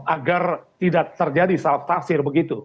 agar tidak terjadi salah tafsir begitu